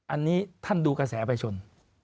อันนี้ท่านดูกระแสไปชน